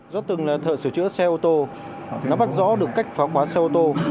do từng là thợ sửa chữa xe ô tô nó bắt rõ được cách phá khóa xe ô tô